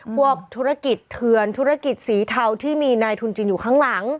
พวกธุรกิจเถื่อนธุรกิจสีเทาที่มีนายทุนจีนอยู่ข้างหลัง